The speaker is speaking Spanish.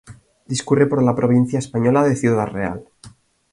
Discurre por la provincia española de Ciudad Real.